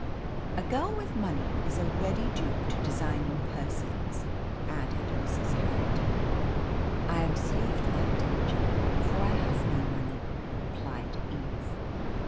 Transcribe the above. "A girl with money is a ready dupe to designing persons," added Mrs. Harrington. "I am saved that danger, for I have no money," replied Eve.